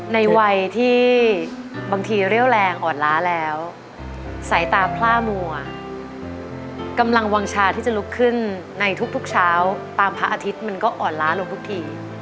ในวัยที่บางทีเรี่ยวแรงอ่อนล้าแล้วสายตาพล่ามัวกำลังวางชาที่จะลุกขึ้นในทุกเช้าตามพระอาทิตย์มันก็อ่อนล้าลงทุกที